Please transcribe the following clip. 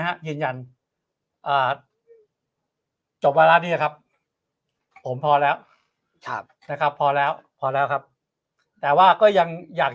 ฮะยืนยันอ่าจบวาระนี้นะครับผมพอแล้วครับนะครับพอแล้วพอแล้วครับแต่ว่าก็ยังอยาก